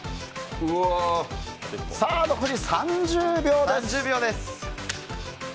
残り３０秒です！